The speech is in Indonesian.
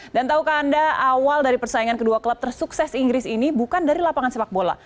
dan tahukah anda awal dari persaingan kedua klub tersukses inggris ini bukan dari lapangan sepak bola